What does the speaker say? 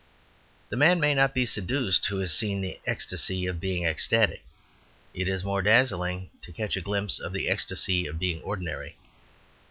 The man may not be seduced who has seen the ecstasy of being ecstatic; it is more dazzling to catch a glimpse of the ecstasy of being ordinary.